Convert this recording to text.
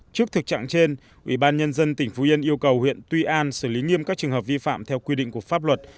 trước thực trạng trên ủy ban nhân dân tỉnh phú yên yêu cầu huyện tuy an xử lý nghiêm các trường hợp vi phạm theo quy định của pháp luật